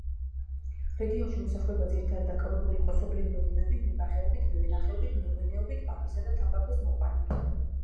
რეგიონში მოსახლეობა ძირითადად დაკავებული იყო სოფლის მეურნეობით, მებაღეობით, მევენახეობით, მეღვინეობით, ბამბისა და თამბაქოს მოყვანით.